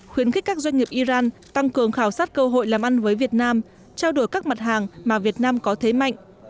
khuyến khích các doanh nghiệp iran tăng cường khảo sát cơ hội làm ăn với việt nam trao đổi các mặt hàng mà việt nam có thế mạnh